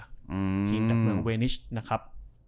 ทีมจากเมืองเวนิชนะครับ